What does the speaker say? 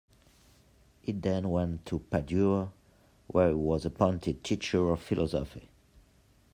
He then went to Padua where he was appointed teacher of philosophy.